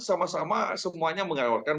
sama sama semuanya mengawalkan